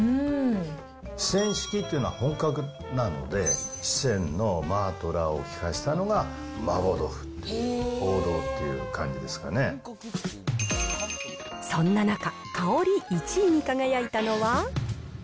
四川式っていうのは本格なので、四川のマーとラーを効かせたのが麻婆豆腐っていう、王道っていうそんな中、香り１位に輝いたのは。